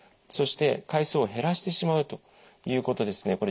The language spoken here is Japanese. そして回数を減らしてしまうということですね。